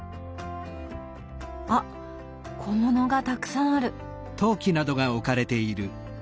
あっ小物がたくさんある。